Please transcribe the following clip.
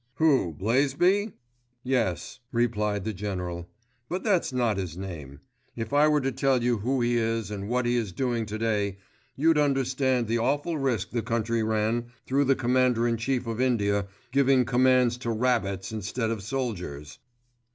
"Who, Blaisby? Yes," replied the General; "but that's not his name. If I were to tell you who he is and what he is doing to day, you'd understand the awful risk the country ran through the Commander in Chief of India giving commands to rabbits instead of soldiers."